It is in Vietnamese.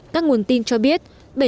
các nguồn tin cho biết